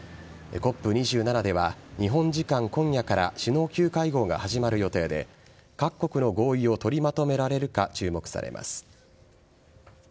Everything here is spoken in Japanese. ＣＯＰ２７では、日本時間今夜から首脳級会合が始まる予定で、各国の合意を取りまとめられるか、注目されます。